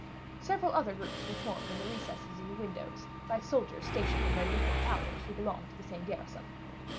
Several other groups were formed in the recesses of the windows, like soldiers stationed in their different towers who belong to the same garrison.